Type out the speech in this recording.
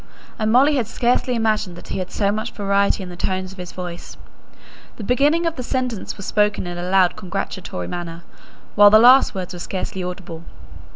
and Molly had scarcely imagined that he had so much variety in the tones of his voice the beginning of the sentence was spoken in a loud congratulatory manner, while the last words were scarcely audible.